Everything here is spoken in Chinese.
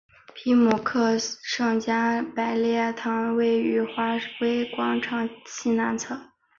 皮姆利科圣加百列堂位于华威广场西南侧。